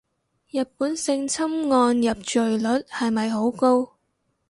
日本性侵案入罪率係咪好高